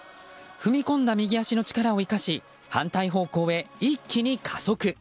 踏み込んだ右足の力を生かし反対方向へ一気に加速。